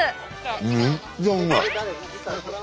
めっちゃうまい。